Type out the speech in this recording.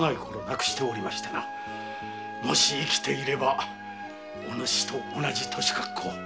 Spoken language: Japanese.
生きておればお主と同じ年格好。